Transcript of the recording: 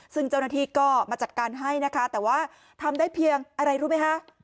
ซึ่งเจ้าหน้าที่ก็มาจัดการให้นะคะแต่ว่าทำได้เพียงอะไรรู้ไหมคะ